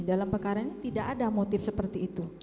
dalam perkara ini tidak ada motif seperti itu